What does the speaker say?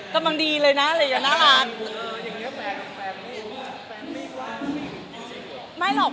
กำลังดีเลยน่ารัก